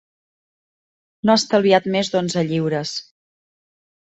No ha estalviat més d'onze lliures.